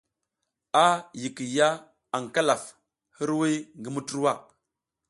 A yikiy ya aƞ Kalaf hiriwiy ngi Muturwa.